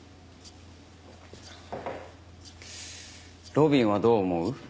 路敏はどう思う？